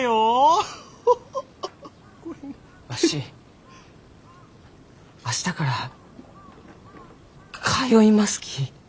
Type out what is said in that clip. わし明日から通いますき。